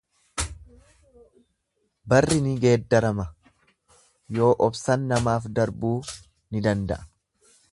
Barri ni geeddarama yoo obsan namaaf darbuu ni danda'a.